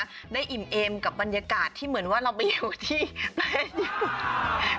ได้อิ่มเอมกับบรรยากาศที่เหมือนว่าเราไปอยู่ที่ไหน